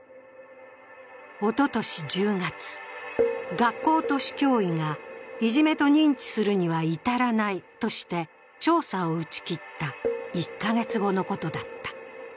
おととし１０月、学校と市教委が、いじめと認知するには至らないとして調査を打ち切った１カ月後のことだった。